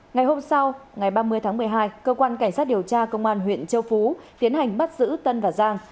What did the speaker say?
ngày hôm sau ngày ba mươi tháng một mươi hai cơ quan cảnh sát điều tra công an huyện châu phú tiến hành bắt giữ tân và giang